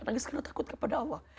nangis karena takut kepada allah